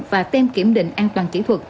và tem kiểm định an toàn kỹ thuật